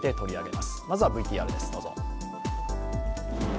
まずはＶＴＲです、どうぞ。